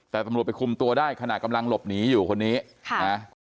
แต่ตำรวจไปคุมตัวได้ขณะกำลังหลบหนีอยู่คนนี้ค่ะนะ